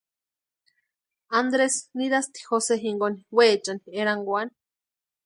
Andresi nirasti Jose jinkoni weechani erankwani.